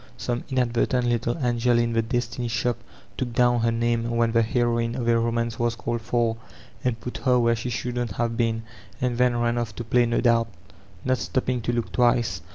Some inadvertent little angel in the destiny shop took down her name when the heroine of m romance was called for, and put her where she shouldn't have been, and then ran off to play no doubt, not stop ping to look twice.